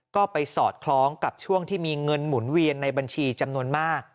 ก็ไปสอดคล้องกับช่วงที่มีเงินหมุนเวียนในบัญชีจำนวนมาก